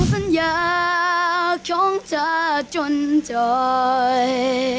สัญญาของเธอจนใจ